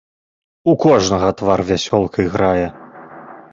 У кожнага твар вясёлкай грае.